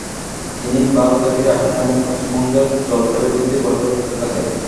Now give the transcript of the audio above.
তিনি ভারতে ফিরে আসেন এবং পশ্চিমবঙ্গের জলপাইগুড়িতে বসবাস করতে থাকেন।